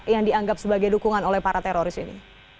yang dianggap sebagai dukungan oleh para teroris ini